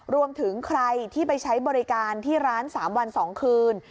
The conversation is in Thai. รวมถึงใครที่ไปใช้บริการที่ร้าน๓วัน๒คืน